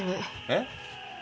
えっ？